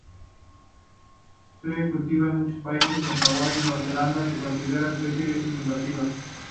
Se cultiva en muchos países, en Hawái y Nueva Zelanda se considera especie invasiva.